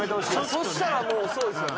そしたらもうそうですよね。